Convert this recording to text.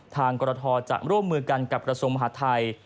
กรทจะร่วมมือกันกับกระทรวงมหาทัย